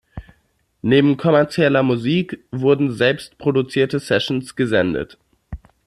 Neben kommerzieller Musik wurden selbst produzierte Sessions gesendet.